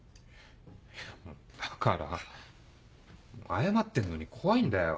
だから謝ってんのに怖いんだよ